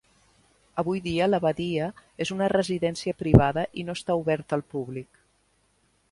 Avui dia l'abadia és una residència privada i no està oberta al públic.